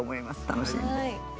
楽しんで。